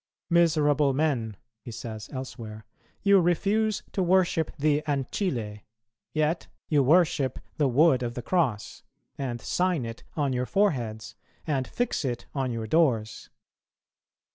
"Miserable men," he says elsewhere, "you refuse to worship the ancile, yet you worship the wood of the cross, and sign it on your foreheads, and fix it on your doors.